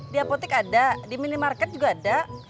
di apotik ada di minimarket juga ada